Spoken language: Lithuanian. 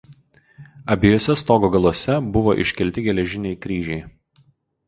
Abiejuose stogo galuose buvo iškelti geležiniai kryžiai.